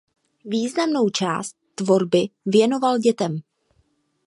Významnou část tvorby věnoval dětem.